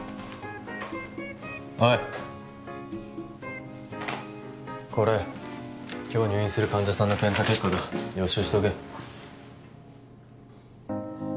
おいこれ今日入院する患者さんの検査結果だ予習しとけ